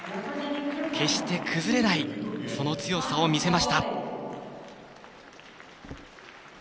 決して崩れないその強さを見せました。